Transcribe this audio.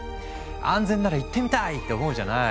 安全なら行ってみたい！って思うじゃない？